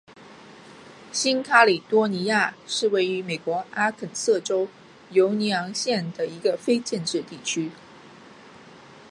新喀里多尼亚是位于美国阿肯色州犹尼昂县的一个非建制地区。